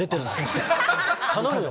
頼むよ